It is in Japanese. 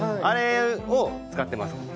あれを使ってます。